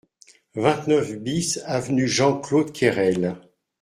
vingt-neuf BIS avenue Jean Claude Cayrel